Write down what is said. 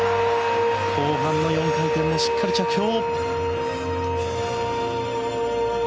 後半の４回転もしっかり着氷。